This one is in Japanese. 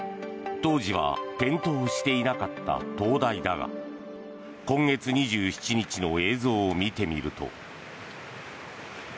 当時は点灯していなかった灯台だが今月２７日の映像を見てみると。